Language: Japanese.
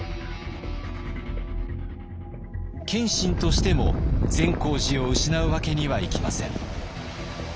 謙信としても善光寺を失うわけにはいきません。